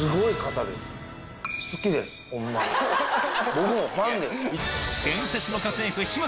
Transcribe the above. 僕もファンです。